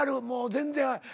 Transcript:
もう全然。